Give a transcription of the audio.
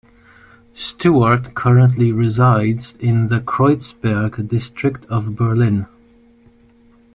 Stewart currently resides in the Kreuzberg district of Berlin.